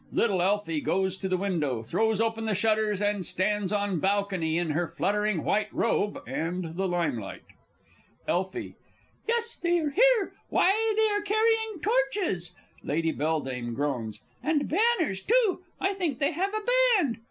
Little_ ELFIE goes to the window, throws open the shutters, and stands on balcony in her fluttering white robe, and the limelight. Elfie. Yes, they are here. Why, they are carrying torches! (Lady B. groans) and banners, too! I think they have a band....